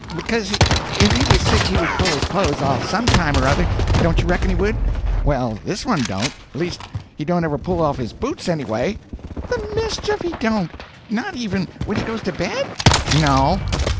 "Because if he was sick he would pull his clothes off some time or other—don't you reckon he would? Well, this one don't. At least he don't ever pull off his boots, anyway." "The mischief he don't! Not even when he goes to bed?" "No."